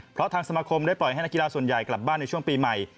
เพราะทางสมาคมได้ปล่อยให้นักกีฬาส่วนใหญ่กลับบ้านในช่วงปีใหม่